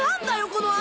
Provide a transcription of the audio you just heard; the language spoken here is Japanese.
この穴！